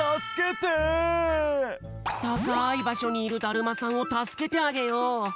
たかいばしょにいるだるまさんをたすけてあげよう。